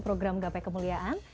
program gapai kemuliaan